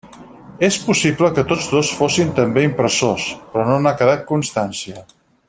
És possible que tots dos fossin també impressors, però no n'ha quedat constància.